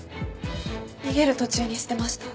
逃げる途中に捨てました。